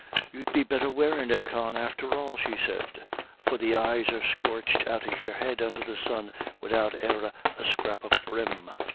"You'd be better wearin' it, Con, after all," she said, "for the eyes are scorched out of your head under the sun widout e'er a scrap of brim."